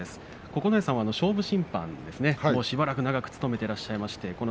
九重さんは勝負審判をしばらく長く務めていらっしゃいました。